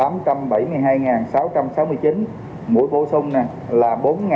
mũi bổ sung là bốn bốn trăm bốn mươi tám